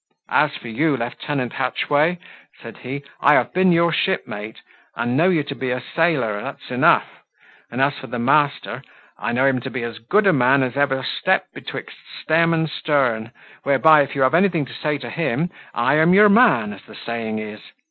"As for you, Lieutenant Hatchway," said he, "I have been your shipmate, and know you to be a sailor, that's enough; and as for master, I know him to be as good a man as ever stept betwixt stem and stern, whereby, if you have anything to say to him, I am your man, as the saying is.